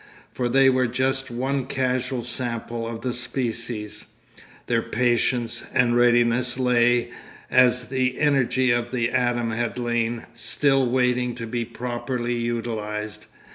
For they were just one casual sample of the species—their patience and readiness lay, as the energy of the atom had lain, still waiting to be properly utilised.